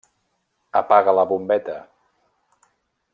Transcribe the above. Apaga la bombeta.